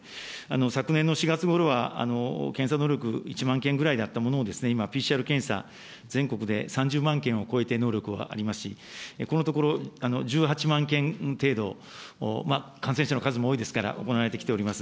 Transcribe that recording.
昨年の４月ごろは、検査能力、１万件ぐらいであったものを、今、ＰＣＲ検査、全国で３０万件を超えて能力はありますし、このところ１８万件程度、感染者の数も多いですから行われてきております。